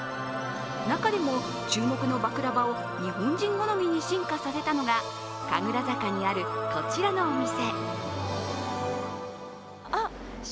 中でも注目のバクラヴァを日本人好みに進化させたのが神楽坂にある、こちらのお店。